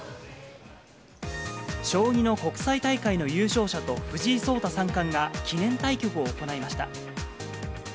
将棋の国際大会の優勝者と藤井聡太三冠が記念対局を行いました。